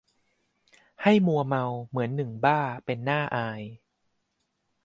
ให้มัวเมา เหมือนหนึ่งบ้า เป็นน่าอาย